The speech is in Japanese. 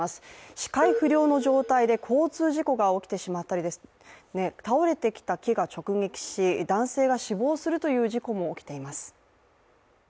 視界不良の状態で交通事故が起こってしまったり、倒れてきた木が直撃し男性が死亡するという事故も起きています。